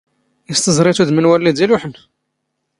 ⵉⵙ ⵜⵥⵕⵉⴷ ⵓⴷⵎ ⵏ ⵡⴰⵍⵍⵉ ⴷ ⵉⵍⵓⵃⵏ?